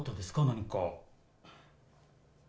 何か。